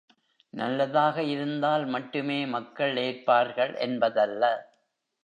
நல்லதாக இருந்தால் மட்டுமே மக்கள் ஏற்பார்கள் என்பதல்ல.